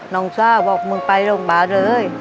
น้องจะบอกมึงไปโรงบาลเลย